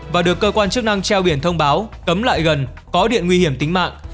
và được cơ quan chức năng treo biển thông báo cấm lại gần có điện nguy hiểm tính mạng